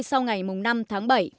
sau ngày năm tháng bảy